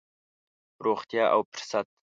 روغتيا او فرصت.